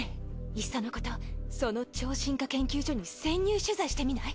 いっそのことその超進化研究所に潜入取材してみない？